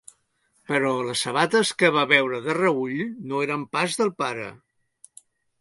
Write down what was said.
Però les sabates que va veure de reüll no eren pas del pare.